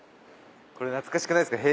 これ懐かしくないですか？